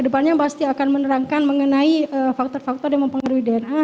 saya akan menerangkan mengenai fakta fakta yang mempengaruhi dna